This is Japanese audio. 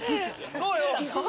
そうよ。